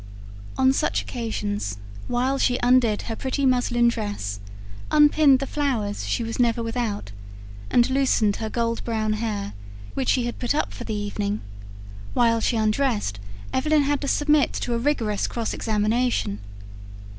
On such occasions, while she undid her pretty muslin dress, unpinned the flowers she was never without, and loosened her gold brown hair, which she had put up for the evening: while she undressed, Evelyn had to submit to a rigorous cross examination.